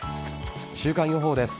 週間予報です。